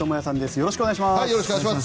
よろしくお願いします。